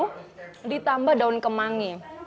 lalu ditambah daun kemangi